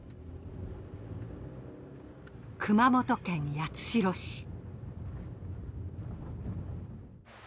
熊本県八代市。